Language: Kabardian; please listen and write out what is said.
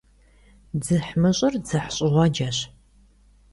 ДзыхьмыщӀыр дзыхьщӀыгъуэджэщ.